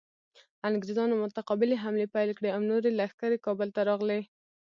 انګریزانو متقابلې حملې پیل کړې او نورې لښکرې کابل ته راغلې.